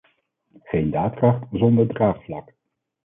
Geen daadkracht zonder draagvlak.